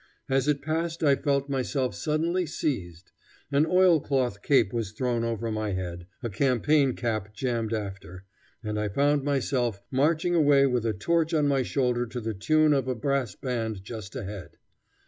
As it passed I felt myself suddenly seized; an oilcloth cape was thrown over my head, a campaign cap jammed after, and I found myself marching away with a torch on my shoulder to the tune of a brass band just ahead.